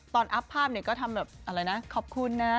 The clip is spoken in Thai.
ตอนอัพภาพก็ทำแบบอะไรนะขอบคุณนะ